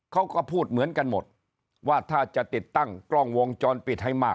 เขาก็พูดเหมือนกันหมดว่าถ้าจะติดตั้งกล้องวงจรปิดให้มาก